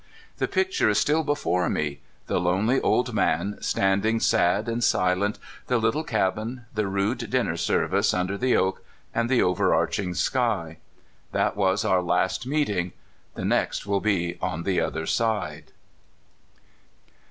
The picture is stifl before me — the lonely old man standing sad and silent, the little cabin, the rude dinner service un der the oak, and the overarching sky. That was our last meeting; the next will be on the other side.